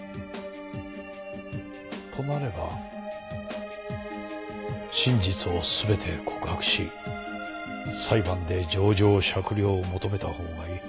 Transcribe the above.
となれば真実を全て告白し裁判で情状酌量を求めたほうがいい。